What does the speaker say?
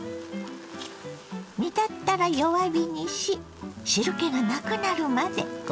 煮立ったら弱火にし汁けがなくなるまで５６分。